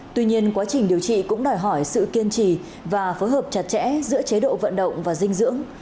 tuy nhiên quá trình điều trị cũng đòi hỏi sự kiên trì và phối hợp chặt chẽ giữa chế độ vận động và dinh dưỡng